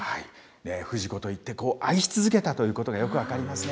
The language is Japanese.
富士子と言って、愛し続けたということがよく分かりますね。